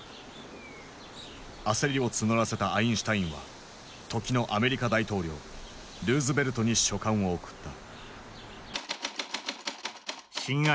焦りを募らせたアインシュタインは時のアメリカ大統領ルーズベルトに書簡を送った。